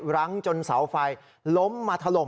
รั้งจนเสาไฟล้มมาถล่ม